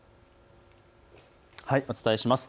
お伝えします。